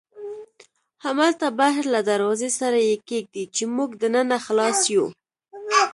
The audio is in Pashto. همالته بهر له دروازې سره یې کېږدئ، چې موږ دننه خلاص یو.